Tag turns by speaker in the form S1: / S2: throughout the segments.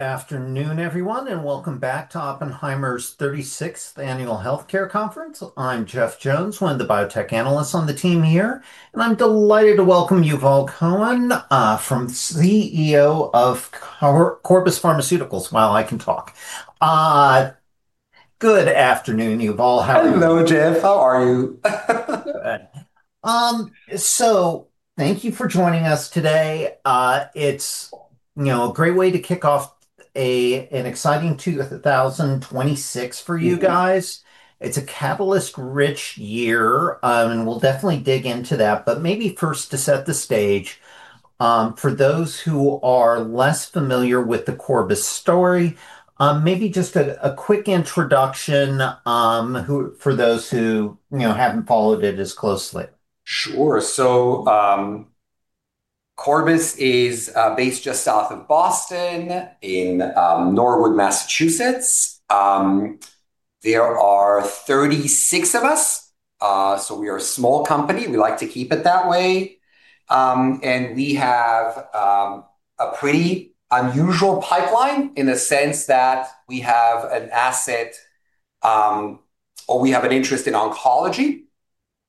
S1: Afternoon, everyone, welcome back to Oppenheimer's 36th Annual Healthcare Conference. I'm Jeff Jones, one of the biotech analysts on the team here, I'm delighted to welcome Yuval Cohen, CEO of Corbus Pharmaceuticals. Well, I can talk. Good afternoon, Yuval. How are you?
S2: Hello, Jeff. How are you?
S1: Good. Thank you for joining us today. It's, you know, a great way to kick off an exciting 2026 for you guys.
S2: Mm-hmm.
S1: It's a catalyst-rich year, and we'll definitely dig into that. Maybe first, to set the stage, for those who are less familiar with the Corbus story, maybe just a quick introduction, for those who, you know, haven't followed it as closely.
S2: Sure. Corbus is based just south of Boston in Norwood, Massachusetts. There are 36 of us, so we are a small company. We like to keep it that way. We have a pretty unusual pipeline in the sense that we have an asset, or we have an interest in oncology,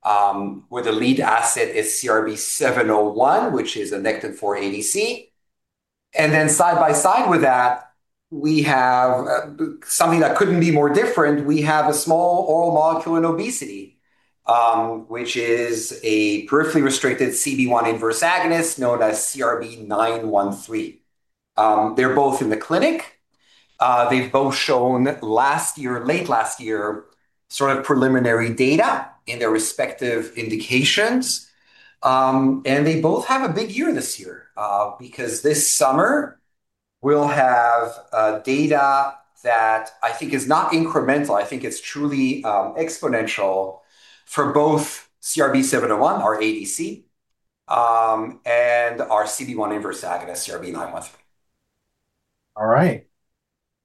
S2: where the lead asset is CRB-701, which is a Nectin-4 ADC. Then, side by side with that, we have something that couldn't be more different. We have a small oral molecule in obesity, which is a peripherally restricted CB1 inverse agonist known as CRB-913. They're both in the clinic. They've both shown last year, late last year, sort of preliminary data in their respective indications. They both have a big year this year, because this summer, we'll have data that I think is not incremental, I think it's truly exponential for both CRB-701, our ADC, and our CB1 inverse agonist, CRB-913.
S1: All right.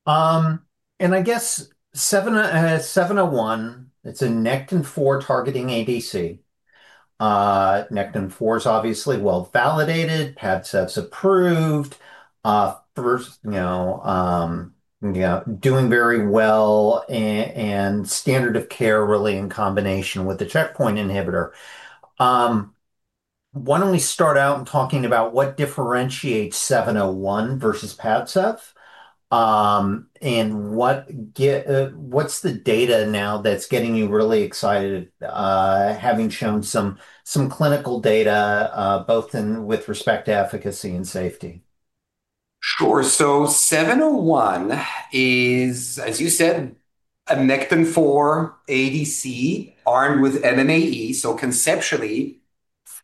S1: I guess CRB-701, it's a Nectin-4 targeting ADC. Nectin-4 is obviously well-validated, PADCEV approved, first, you know, and standard of care really in combination with the checkpoint inhibitor. Why don't we start out in talking about what differentiates CRB-701 versus PADCEV, and what's the data now that's getting you really excited, having shown some clinical data, both in with respect to efficacy and safety?
S2: Sure. 701 is, as you said, a Nectin-4 ADC armed with MMAE. Conceptually,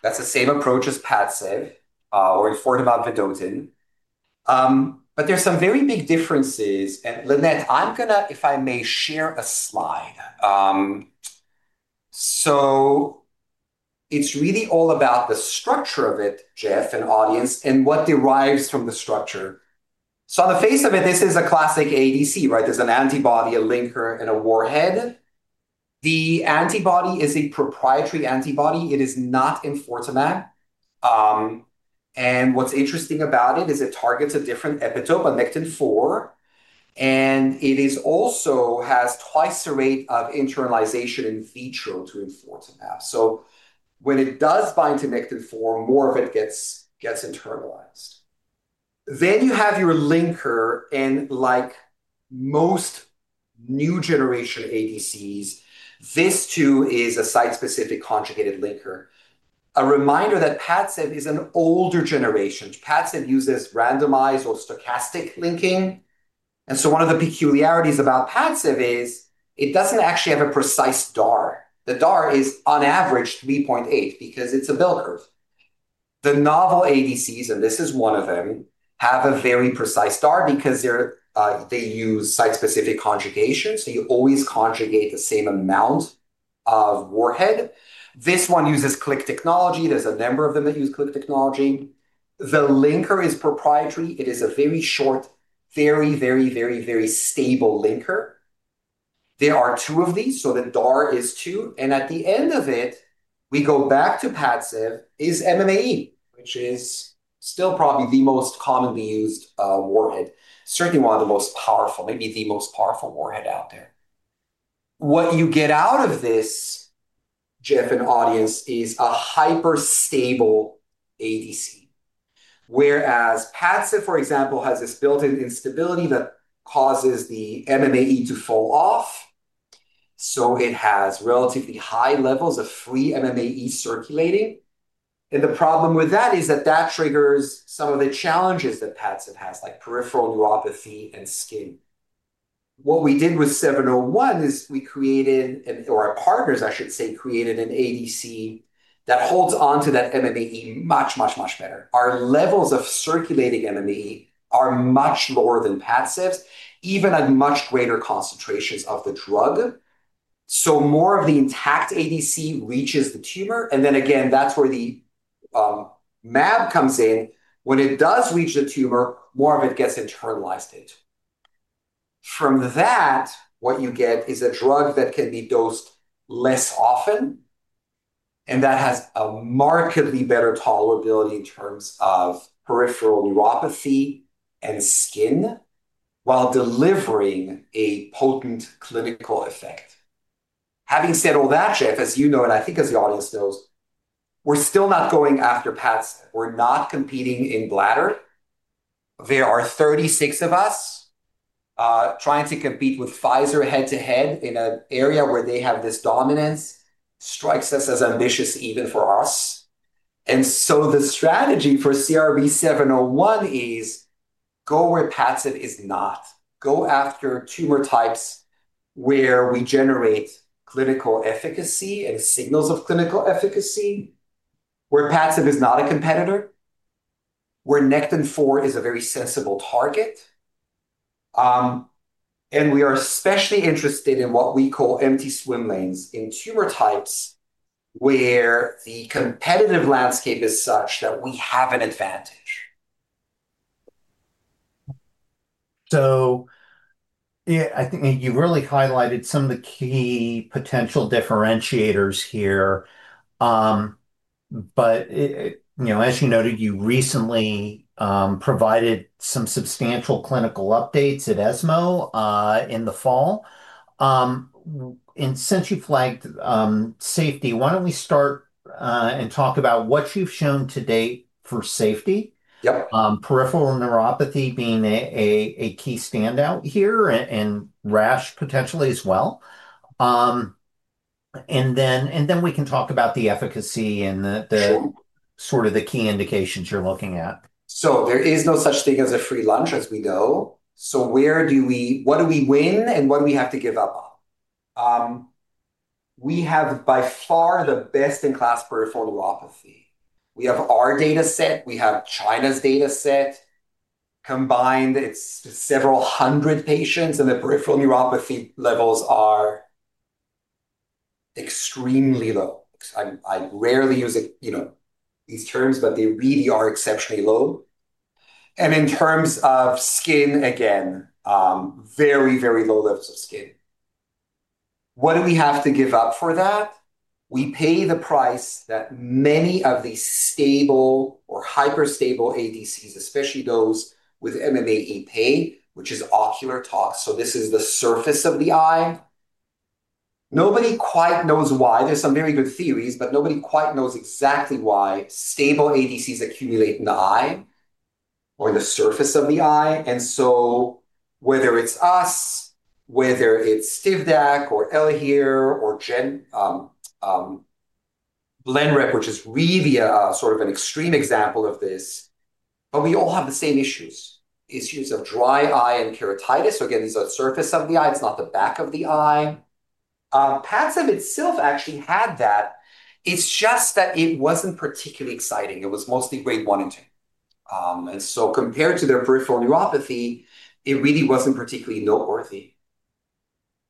S2: that's the same approach as PADCEV, or enfortumab vedotin. There's some very big differences. Lynette, I'm going to, if I may, share a slide. It's really all about the structure of it, Jeff, and audience, and what derives from the structure. On the face of it, this is a classic ADC, right? There's an antibody, a linker, and a warhead. The antibody is a proprietary antibody. It is not enfortumab. What's interesting about it is it targets a different epitope, a Nectin-4, and it is also has twice the rate of internalization in vitro to enfortumab. When it does bind to Nectin-4, more of it gets internalized. You have your linker, and like most new generation ADCs, this, too, is a site-specific conjugated linker. A reminder that PADCEV is an older generation. PADCEV uses randomized or stochastic linking, one of the peculiarities about PADCEV is it doesn't actually have a precise DAR. The DAR is on average 3.8 because it's a build curve. The novel ADCs, this is one of them, have a very precise DAR because they're they use site-specific conjugation, so you always conjugate the same amount of warhead. This one uses click technology. There's a number of them that use click technology. The linker is proprietary. It is a very short, very stable linker. There are 2 of these, so the DAR is 2, and at the end of it, we go back to PADCEV, is MMAE, which is still probably the most commonly used warhead. Certainly, 1 of the most powerful, maybe the most powerful warhead out there. What you get out of this, Jeff and audience, is a hyper stable ADC. Whereas PADCEV, for example, has this built-in instability that causes the MMAE to fall off, so it has relatively high levels of free MMAE circulating. The problem with that is that triggers some of the challenges that PADCEV has, like peripheral neuropathy and skin. What we did with CRB-701 is we created, or our partners, I should say, created an ADC that holds onto that MMAE much, much, much better. Our levels of circulating MMAE are much lower than PADCEV's, even at much greater concentrations of the drug. More of the intact ADC reaches the tumor, and then again, that's where the mAb comes in. When it does reach the tumor, more of it gets internalized into it. From that, what you get is a drug that can be dosed less often, and that has a markedly better tolerability in terms of peripheral neuropathy and skin, while delivering a potent clinical effect. Having said all that, Jeff, as you know, and I think as the audience knows, we're still not going after PADCEV. We're not competing in bladder. There are 36 of us trying to compete with Pfizer head-to-head in an area where they have this dominance, strikes us as ambitious, even for us. The strategy for CRB-701 is go where PADCEV is not. Go after tumor types, where we generate clinical efficacy and signals of clinical efficacy, where PADCEV is not a competitor, where Nectin-4 is a very sensible target. We are especially interested in what we call empty swim lanes, in tumor types, where the competitive landscape is such that we have an advantage.
S1: Yeah, I think you really highlighted some of the key potential differentiators here. You know, as you noted, you recently provided some substantial clinical updates at ESMO in the fall. Since you flagged safety, why don't we start and talk about what you've shown to date for safety?
S2: Yep.
S1: Peripheral neuropathy being a key standout here, and rash potentially as well. Then we can talk about the efficacy and the.
S2: Sure
S1: sort of the key indications you're looking at.
S2: There is no such thing as a free lunch as we go. What do we win, and what do we have to give up on? We have by far the best-in-class peripheral neuropathy. We have our data set, we have China's data set. Combined, it's several hundred patients, and the peripheral neuropathy levels are extremely low. I rarely use, you know, these terms, but they really are exceptionally low. In terms of skin, again, very low levels of skin. What do we have to give up for that? We pay the price that many of these stable or hyper-stable ADCs, especially those with MMAE pay, which is ocular tox, so this is the surface of the eye. Nobody quite knows why. There's some very good theories, nobody quite knows exactly why stable ADCs accumulate in the eye or the surface of the eye. Whether it's us, whether it's Tivdak or Eli here, or Genmab, Blenrep, which is really a sort of an extreme example of this, but we all have the same issues of dry eye and keratitis. Again, it's the surface of the eye, it's not the back of the eye. PADCEV itself actually had that. It's just that it wasn't particularly exciting. It was mostly grade one and two. Compared to their peripheral neuropathy, it really wasn't particularly noteworthy.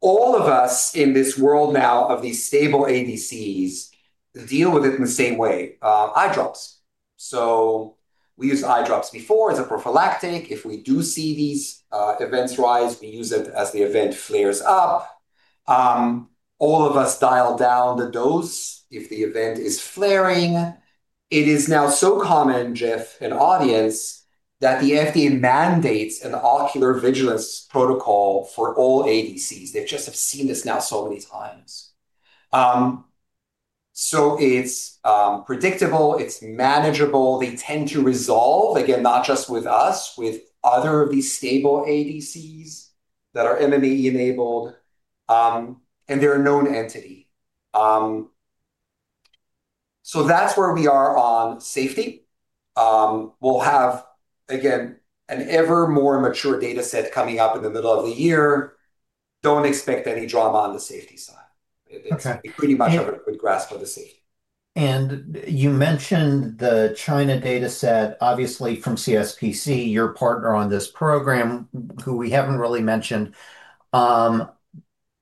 S2: All of us in this world now of these stable ADCs, deal with it in the same way, eye drops. We use eye drops before as a prophylactic. If we do see these events rise, we use it as the event flares up. All of us dial down the dose if the event is flaring. It is now so common, Jeff and audience, that the FDA mandates an ocular vigilance protocol for all ADCs. They just have seen this now so many times. It's predictable, it's manageable. They tend to resolve, again, not just with us, with other of these stable ADCs that are MMAE-enabled, and they're a known entity. That's where we are on safety. We'll have, again, an ever more mature data set coming up in the middle of the year. Don't expect any drama on the safety side.
S1: Okay.
S2: It's pretty much a good grasp of the safety.
S1: You mentioned the China data set, obviously from CSPC, your partner on this program, who we haven't really mentioned.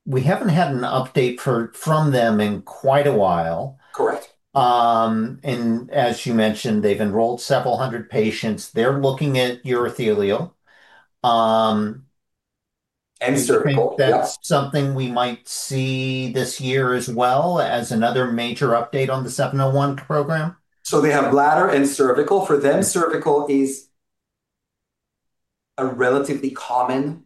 S1: We haven't had an update from them in quite a while.
S2: Correct.
S1: As you mentioned, they've enrolled several hundred patients. They're looking at urothelial…
S2: Cervical, yep.
S1: Do you think that's something we might see this year as well as another major update on the 701 program?
S2: They have bladder and cervical. For them, cervical is a relatively common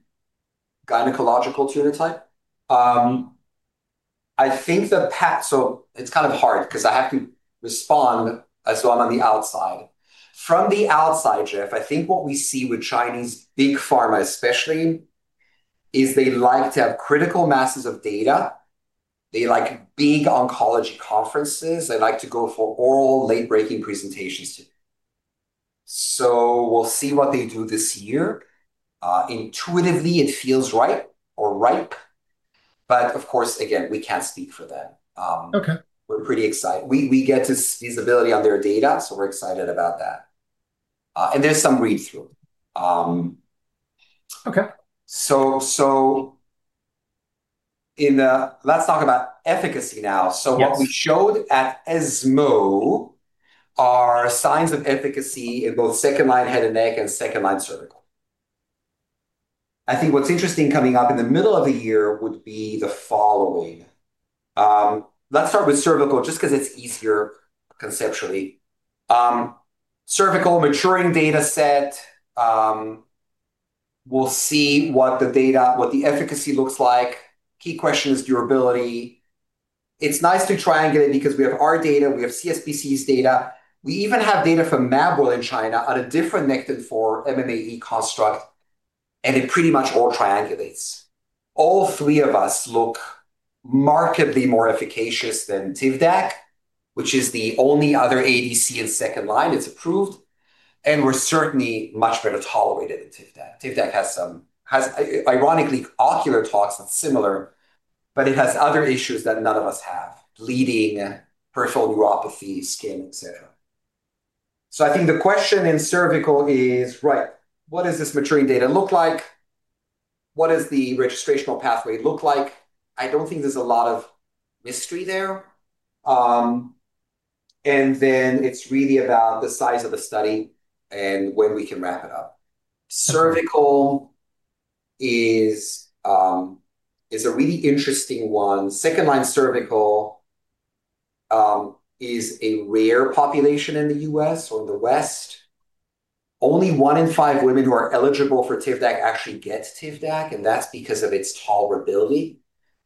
S2: gynecological tumor type. I think it's kind of hard because I have to respond as though I'm on the outside. From the outside, Jeff, I think what we see with Chinese, big pharma especially, is they like to have critical masses of data. They like big oncology conferences. They like to go for oral, late breaking presentations, too. We'll see what they do this year. Intuitively, it feels right or ripe, but of course, again, we can't speak for them.
S1: Okay.
S2: We're pretty excited. We get to see visibility on their data, so we're excited about that. There's some read-through.
S1: Okay.
S2: In, let's talk about efficacy now.
S1: Yes.
S2: What we showed at ESMO are signs of efficacy in both second-line head and neck, and second-line cervical. I think what's interesting coming up in the middle of the year would be the following. Let's start with cervical, just because it's easier conceptually. Cervical maturing data set, we'll see what the data, what the efficacy looks like. Key question is durability. It's nice to triangulate because we have our data, we have CSPC's data, we even have data from Mabro in China on a different mechanism for MMAE construct, and it pretty much all triangulates. All 3 of us look markedly more efficacious than Tivdak, which is the only other ADC in second line that's approved, and we're certainly much better tolerated than Tivdak. Tivdak has ironically, ocular toxic similar, but it has other issues that none of us have: bleeding, peripheral neuropathy, skin, et cetera. I think the question in cervical is, right, what does this maturing data look like? What does the registrational pathway look like? I don't think there's a lot of mystery there. It's really about the size of the study and when we can wrap it up. Cervical is a really interesting one. Second-line cervical is a rare population in the US or the West. Only one in five women who are eligible for Tivdak actually gets Tivdak, and that's because of its tolerability,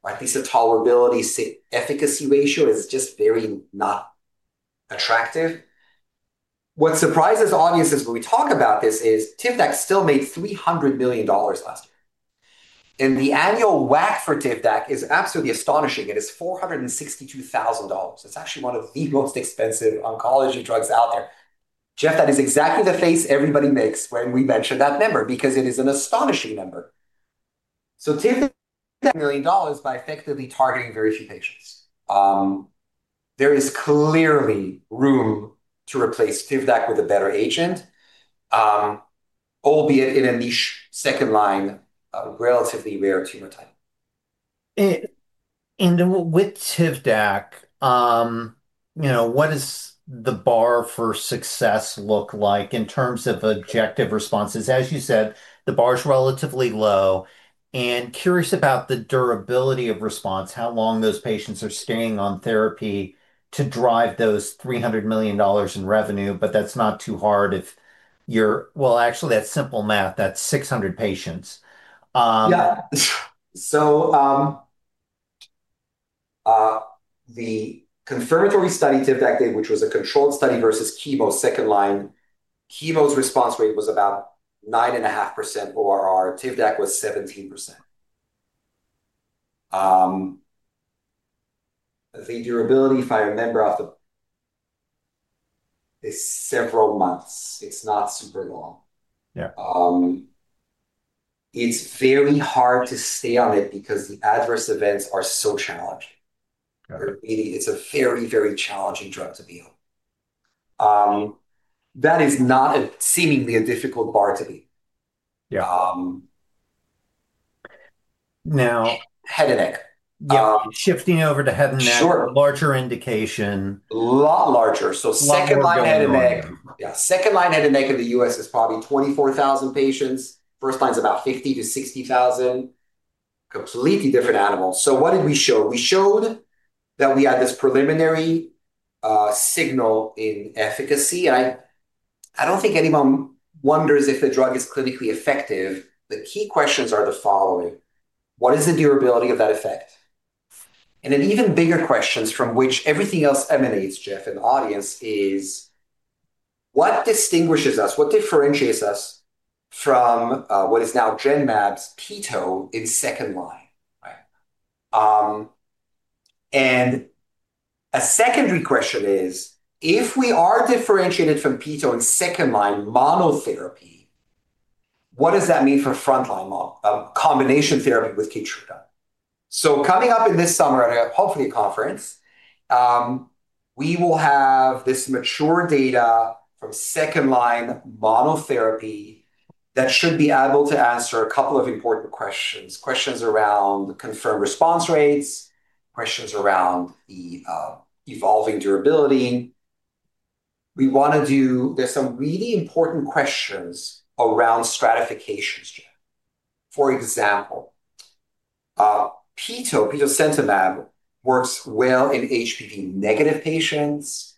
S2: right? These are tolerability, efficacy ratio is just very not attractive. What surprises audiences when we talk about this is Tivdak still made $300 million last year. The annual WAC for Tivdak is absolutely astonishing. It is $462,000. It's actually one of the most expensive oncology drugs out there. Jeff, that is exactly the face everybody makes when we mention that number, because it is an astonishing number. Tivdak $ million by effectively targeting very few patients. There is clearly room to replace Tivdak with a better agent, albeit in a niche second line, a relatively rare tumor type.
S1: With Tivdak, you know, what does the bar for success look like in terms of objective responses? As you said, the bar is relatively low, and curious about the durability of response, how long those patients are staying on therapy to drive those $300 million in revenue. That's not too hard well, actually, that's simple math. That's 600 patients.
S2: Yeah. The confirmatory study, Tivdak did, which was a controlled study versus chemo second line. Chemo's response rate was about 9.5% ORR. Tivdak was 17%. The durability, if I remember, is several months. It's not super long.
S1: Yeah.
S2: It's very hard to stay on it because the adverse events are so challenging.
S1: Got it.
S2: It's a very, very challenging drug to be on. That is not a seemingly a difficult bar to beat.
S1: Yeah.
S2: Um.
S1: Now-
S2: Head and neck.
S1: Yeah, shifting over to head and neck-
S2: Sure.
S1: Larger indication.
S2: A lot larger.
S1: Lot more going on.
S2: Second line head and neck in the U.S. is probably 24,000 patients. First line is about 50,000-60,000. Completely different animals. What did we show? We showed that we had this preliminary signal in efficacy. I don't think anyone wonders if the drug is clinically effective. The key questions are the following: What is the durability of that effect? An even bigger questions from which everything else emanates, Jeff, and the audience is: What distinguishes us, what differentiates us from what is now Genmab's peto in second line, right? A secondary question is: If we are differentiated from peto in second-line monotherapy, what does that mean for frontline mono combination therapy with KEYTRUDA? Coming up in this summer at a hopefully conference, we will have this mature data from second-line monotherapy that should be able to answer a couple of important questions. Questions around confirmed response rates, questions around the evolving durability. There's some really important questions around stratifications, Jeff. For example, Peto, petosemtamab, works well in HPV-negative patients.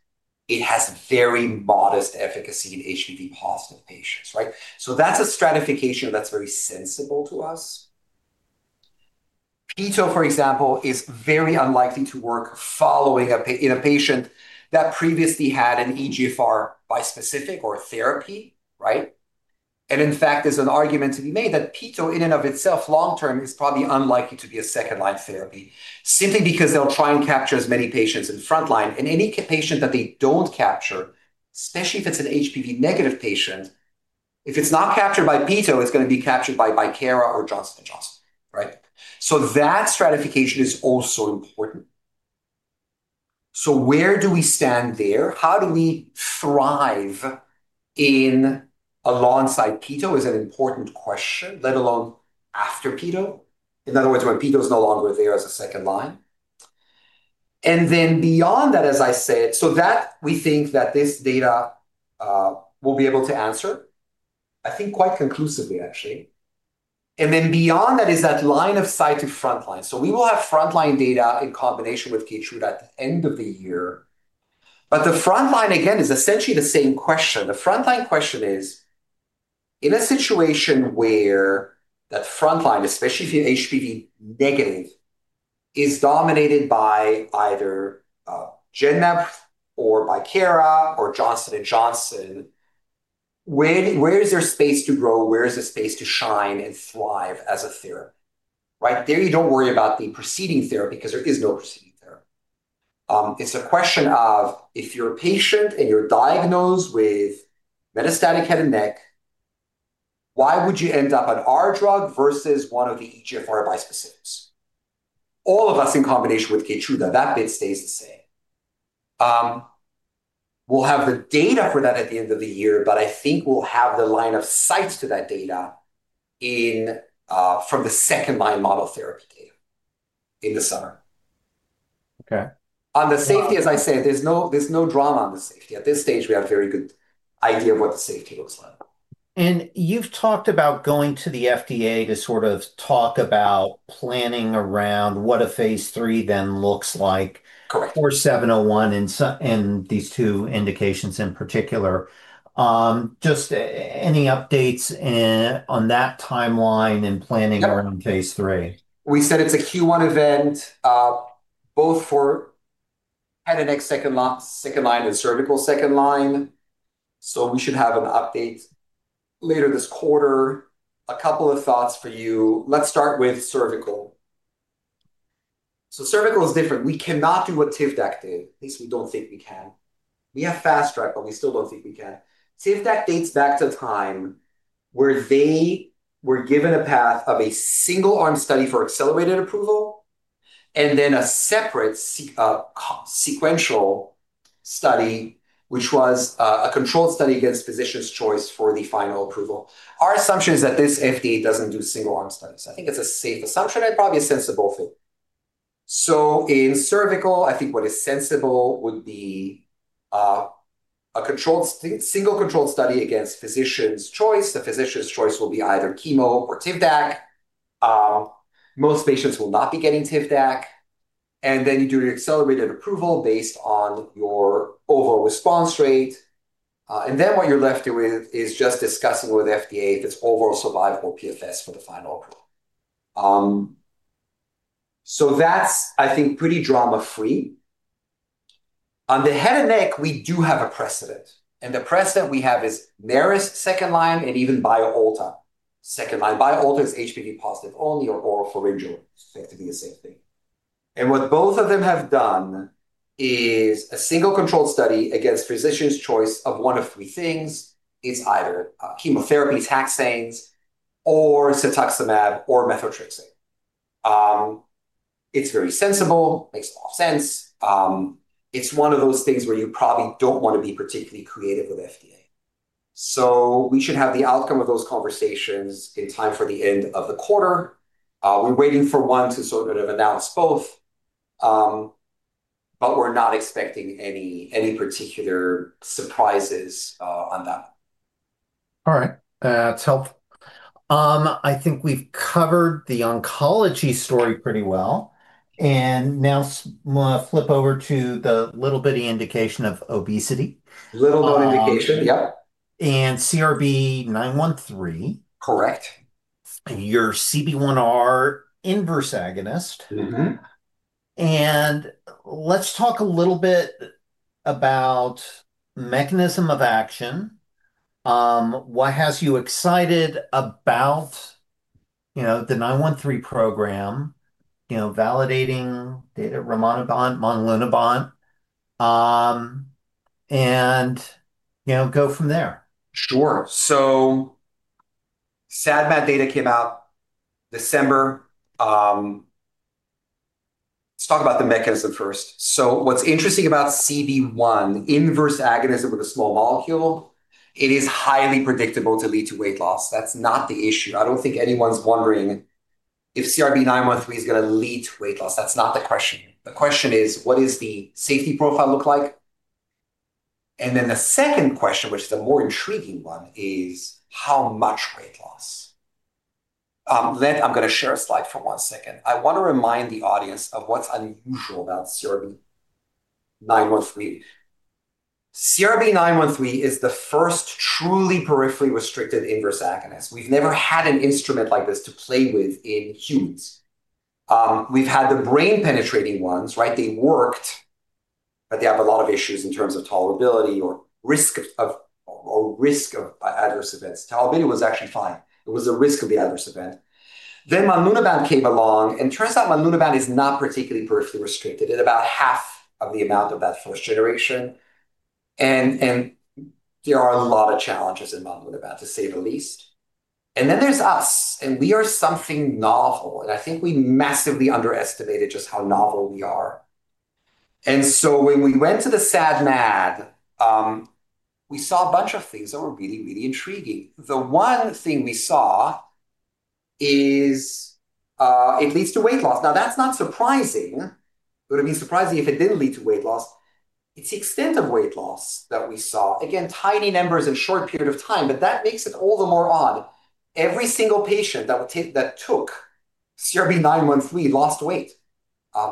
S2: It has very modest efficacy in HPV-positive patients, right? That's a stratification that's very sensible to us. Peto, for example, is very unlikely to work following in a patient that previously had an EGFR bispecific or therapy, right? In fact, there's an argument to be made that peto, in and of itself, long-term, is probably unlikely to be a second-line therapy, simply because they'll try and capture as many patients in frontline, and any patient that they don't capture, especially if it's an HPV-negative patient, if it's not captured by peto, it's going to be captured by Baiquara or Johnson & Johnson, right? That stratification is also important. Where do we stand there? How do we thrive in alongside peto is an important question, let alone after peto. In other words, when peto is no longer there as a second line. Then beyond that, as I said, that we think that this data, we'll be able to answer, I think, quite conclusively, actually. Then beyond that is that line of sight to frontline. We will have frontline data in combination with KEYTRUDA at the end of the year. The frontline, again, is essentially the same question. The frontline question is: in a situation where that frontline, especially if you're HPV negative, is dominated by either Genmab or by Kite Pharma or Johnson & Johnson, where is there space to grow? Where is the space to shine and thrive as a therapy, right? There you don't worry about the preceding therapy because there is no preceding therapy. It's a question of if you're a patient and you're diagnosed with metastatic head and neck, why would you end up on our drug versus one of the EGFR bispecifics? All of us, in combination with KEYTRUDA, that bit stays the same. We'll have the data for that at the end of the year, but I think we'll have the line of sight to that data in from the second-line monotherapy data in the summer.
S1: Okay.
S2: On the safety, as I said, there's no drama on the safety. At this stage, we have a very good idea of what the safety looks like.
S1: You've talked about going to the FDA to sort of talk about planning around what a phase 3 then looks like.
S2: Correct.
S1: For 701 and these two indications in particular. Just any updates on that timeline and planning-
S2: Yep...
S1: around phase 3?
S2: We said it's a Q1 event, both for head and neck second line and cervical second line, we should have an update later this quarter. A couple of thoughts for you. Let's start with cervical. Cervical is different. We cannot do what Tivdak did. At least we don't think we can. We have Fast Track, but we still don't think we can. Tivdak dates back to a time where they were given a path of a single-arm study for Accelerated Approval, and then a separate sequential study, which was a controlled study against physician's choice for the final approval. Our assumption is that this FDA doesn't do single-arm studies. I think it's a safe assumption and probably a sensible thing. In cervical, I think what is sensible would be a controlled, single-controlled study against physician's choice. The physician's choice will be either chemo or Tivdak. Most patients will not be getting Tivdak. You do an Accelerated Approval based on your overall response rate. What you're left with is just discussing with the FDA if it's overall survival PFS for the final approval. That's, I think, pretty drama-free. On the head and neck, we do have a precedent. The precedent we have is Taranabant second line, even Bialda second line. Bialda is HPV positive only, or oropharyngeal, they have to be the same thing. What both of them have done is a single-controlled study against physician's choice of 1 of 3 things. It's either chemotherapy, taxanes, or cetuximab, or methotrexate. It's very sensible, makes a lot of sense. It's one of those things where you probably don't want to be particularly creative with FDA. We should have the outcome of those conversations in time for the end of the quarter. We're waiting for one to sort of announce both, but we're not expecting any particular surprises on that.
S1: All right. That's helpful. I think we've covered the oncology story pretty well, and now wanna flip over to the little bitty indication of obesity.
S2: Little bitty indication, yep.
S1: And CRB nine one three.
S2: Correct.
S1: Your CB1R inverse agonist.
S2: Mm-hmm.
S1: Let's talk a little bit about mechanism of action. What has you excited about, you know, the 913 program, you know, validating data, rimonabant, monlunabant, and, you know, go from there.
S2: Sure. Sad but data came out December. Let's talk about the mechanism first. What's interesting about CB1 inverse agonist with a small molecule, it is highly predictable to lead to weight loss. That's not the issue. I don't think anyone's wondering if CRB-913 is gonna lead to weight loss. That's not the question here. The question is: What is the safety profile look like? Then the second question, which is the more intriguing one, is: How much weight loss? Len, I'm gonna share a slide for 1 second. I want to remind the audience of what's unusual about CRB-913. CRB-913 is the first truly peripherally restricted inverse agonist. We've never had an instrument like this to play with in humans. We've had the brain-penetrating ones, right? They worked, they have a lot of issues in terms of tolerability or risk of adverse events. Tolerability was actually fine. It was the risk of the adverse event. Mamenabant came along, it turns out Mamenabant is not particularly peripherally restricted. It's about half of the amount of that first generation, and there are a lot of challenges in Mamenabant, to say the least. There's us, we are something novel, I think we massively underestimated just how novel we are. When we went to the SAD/MAD, we saw a bunch of things that were really, really intriguing. The one thing we saw is, it leads to weight loss. That's not surprising. It would have been surprising if it didn't lead to weight loss. It's the extent of weight loss that we saw. Tiny numbers in a short period of time, but that makes it all the more odd. Every single patient that took CRB-913 lost weight.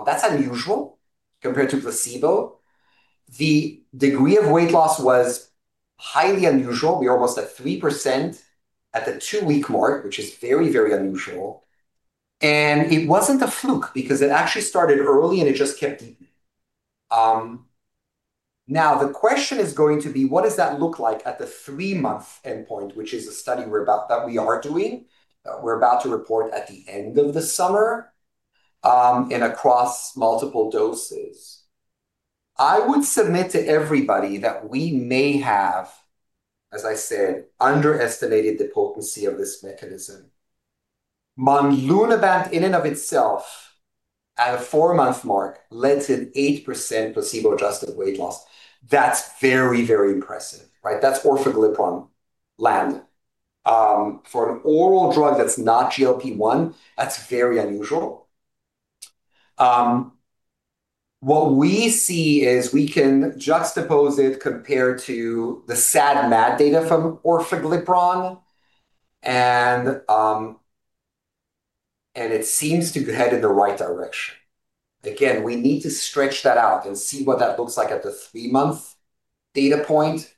S2: That's unusual compared to placebo. The degree of weight loss was highly unusual. We're almost at 3% at the 2-week mark, which is very unusual, and it wasn't a fluke because it actually started early, and it just kept. The question is going to be: what does that look like at the 3-month endpoint? Which is a study that we are doing, we're about to report at the end of the summer, and across multiple doses. I would submit to everybody that we may have, as I said, underestimated the potency of this mechanism. Monlunabant in and of itself, at a 4-month mark, led to an 8% placebo-adjusted weight loss. That's very, very impressive, right? That's orforglipron land. For an oral drug that's not GLP-1, that's very unusual. What we see is we can juxtapose it compared to the SAD/MAD data from orforglipron. It seems to head in the right direction. Again, we need to stretch that out and see what that looks like at the three-month data point,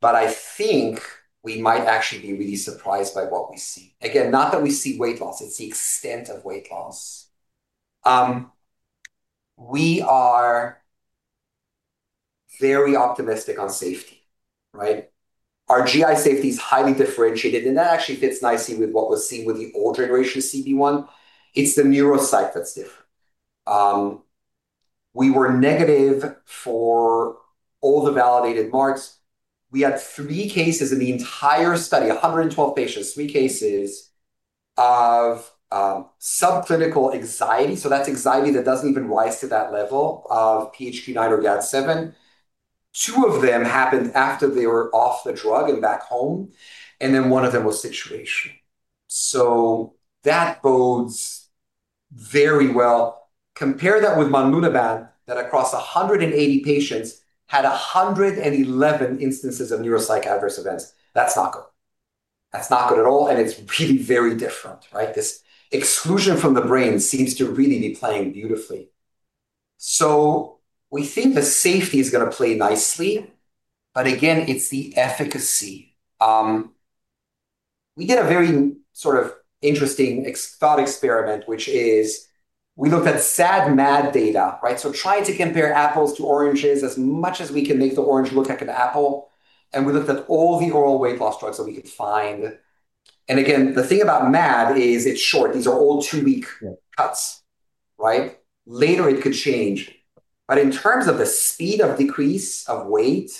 S2: but I think we might actually be really surprised by what we see. Again, not that we see weight loss, it's the extent of weight loss. We are very optimistic on safety, right? Our GI safety is highly differentiated, and that actually fits nicely with what was seen with the old generation of CB1. It's the neuro site that's different. We were negative for all the validated marks. We had 3 cases in the entire study, 112 patients, 3 cases of subclinical anxiety, so that's anxiety that doesn't even rise to that level of PHQ-9 or GAD-7. Two of them happened after they were off the drug and back home, and then one of them was situation. That bodes very well. Compare that with monalizumab, that across 180 patients, had 111 instances of neuropsychiatric adverse events. That's not good. That's not good at all, and it's really very different, right? This exclusion from the brain seems to really be playing beautifully. We think the safety is gonna play nicely, but again, it's the efficacy. We did a very sort of interesting thought experiment, which is we looked at SAD/MAD data, right? Trying to compare apples to oranges, as much as we can make the orange look like an apple, and we looked at all the oral weight loss drugs that we could find. Again, the thing about MAD is it's short. These are all 2-week cuts, right? Later, it could change. In terms of the speed of decrease of weight,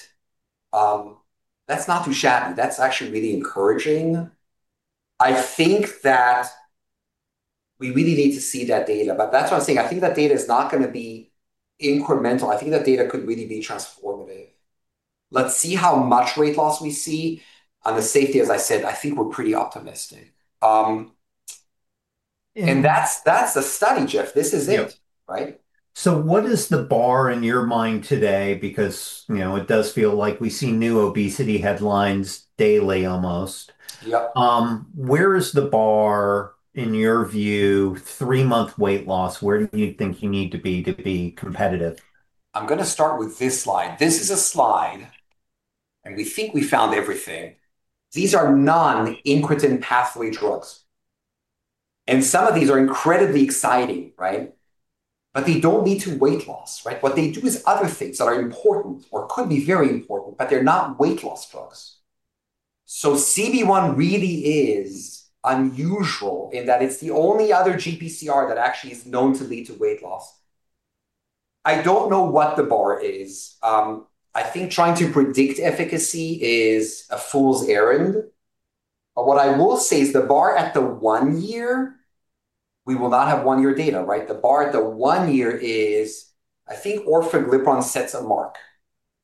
S2: that's not too shabby. That's actually really encouraging. I think that we really need to see that data, but that's what I'm saying. I think that data is not gonna be incremental. I think that data could really be transformative. Let's see how much weight loss we see. On the safety, as I said, I think we're pretty optimistic. That's, that's the study, Jeff. This is it.
S1: Yeah.
S2: Right?
S1: What is the bar in your mind today? Because, you know, it does feel like we see new obesity headlines daily, almost.
S2: Yeah.
S1: Where is the bar, in your view, 3-month weight loss, where do you think you need to be to be competitive?
S2: I'm gonna start with this slide. This is a slide. We think we found everything. These are non-incretin pathway drugs. Some of these are incredibly exciting, right? They don't lead to weight loss, right? What they do is other things that are important or could be very important, but they're not weight loss drugs. CB1 really is unusual in that it's the only other GPCR that actually is known to lead to weight loss. I don't know what the bar is. I think trying to predict efficacy is a fool's errand, but what I will say is the bar at the one year, we will not have one-year data, right? The bar at the one year is, I think, orforglipron sets a mark,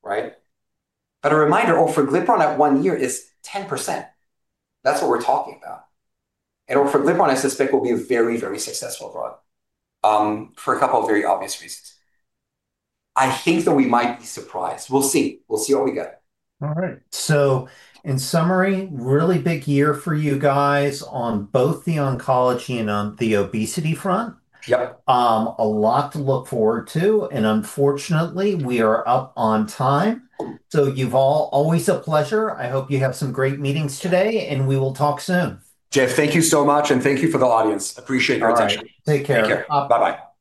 S2: right? A reminder, orforglipron at one year is 10%. That's what we're talking about. orforglipron, I suspect, will be a very successful drug, for a couple of very obvious reasons. I think that we might be surprised. We'll see what we get.
S1: All right. In summary, really big year for you guys on both the oncology and on the obesity front.
S2: Yep.
S1: A lot to look forward to. Unfortunately, we are up on time. Yuval, always a pleasure. I hope you have some great meetings today. We will talk soon.
S2: Jeff, thank you so much, and thank you for the audience. Appreciate your attention.
S1: All right. Take care.
S2: Take care. Bye-bye.